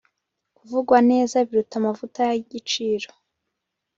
kuvugwa neza biruta amavuta y'igiciro